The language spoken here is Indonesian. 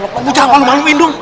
kamu jangan malu maluin dong